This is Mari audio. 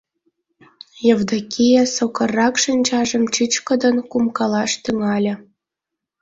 Евдокия сокыррак шинчажым чӱчкыдын кумкалаш тӱҥале: